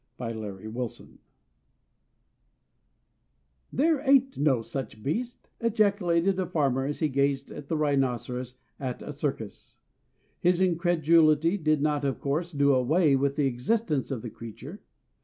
_ THE BARS OF FATE "There ain't no such beast," ejaculated a farmer as he gazed at the rhinoceros at a circus. His incredulity did not of course do away with the existence of the creature.